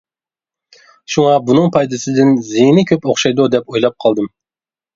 شۇڭا بۇنىڭ پايدىسىدىن زىيىنى كۆپ ئوخشايدۇ دەپ ئويلاپ قالدىم.